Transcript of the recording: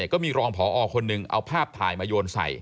ก็มีรองพอคนหนึ่งเอาภาพถ่ายมาโยนใส่